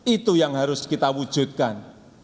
itu yang harus kita wujudkan